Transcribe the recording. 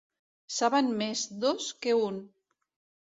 Saben més dos que un.